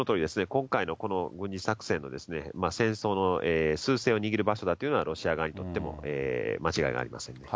今回のこの軍事作戦の戦争のすう勢を握る場所だというのは、ロシア側にとっても間違いがありません。